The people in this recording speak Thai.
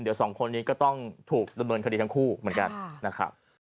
เดี๋ยวสองคนนี้ก็ต้องถูกดำเนินคดีทั้งคู่เหมือนกันนะครับ